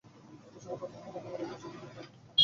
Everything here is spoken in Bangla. তিনি সম্ভবত মুহাম্মদ অবগত ছিলেন যে তাকে বেঁচে থাকতে হবে।